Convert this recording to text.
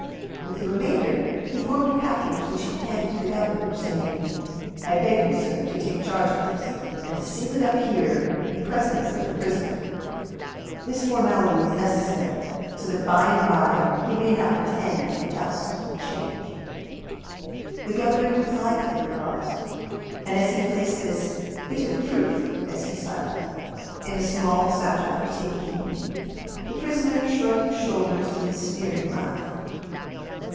With the remainder he formed a package which he handed to the governor, saying: "I beg you, sir, to take charge of this, and to seal it up here, in presence of the prisoner. This formality is necessary, so that by and by he may not pretend that the dust has been changed." The governor complied with the request, and as he placed this "bit of proof" (as he styled it) in a small satchel for safe keeping, the prisoner shrugged his shoulders with a sneering laugh.